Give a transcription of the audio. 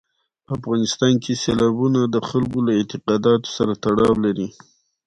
په افغانستان کې سیلابونه د خلکو له اعتقاداتو سره تړاو لري.